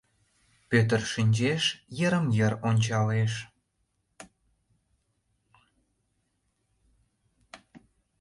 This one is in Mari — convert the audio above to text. Пӧтыр шинчеш, йырым-йыр ончалеш.